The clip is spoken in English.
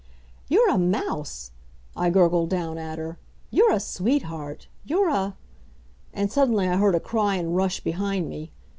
"You're a mouse," I gurgled down at her. "You're a sweetheart. You're a " And suddenly I heard a cry and rush behind me.